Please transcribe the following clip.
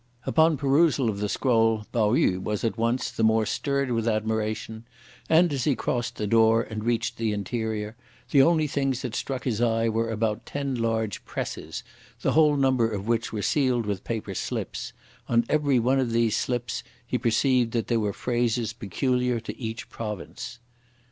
Upon perusal of the scroll Pao yü was, at once, the more stirred with admiration; and, as he crossed the door, and reached the interior, the only things that struck his eye were about ten large presses, the whole number of which were sealed with paper slips; on every one of these slips, he perceived that there were phrases peculiar to each province.